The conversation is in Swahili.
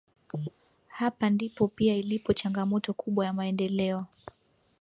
Hapa ndipo pia ilipo changamoto kubwa ya maendeleo